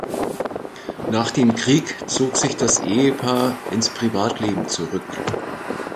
Nach dem Krieg zog sich das Ehepaar ins Privatleben zurück.